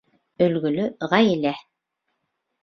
Өлгөлө ғаилә!